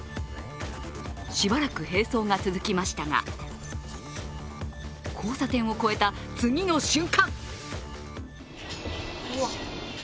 しばらく並走が続きましたが交差点を越えた次の瞬間。